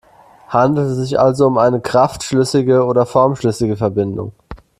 Handelt es sich also um eine kraftschlüssige oder formschlüssige Verbindung?